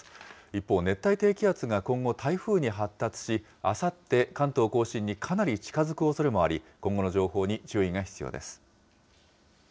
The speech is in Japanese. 一方、熱帯低気圧が今後、台風に発達し、あさって関東甲信にかなり近づくおそれもあり、今後の情報に注意が必要です。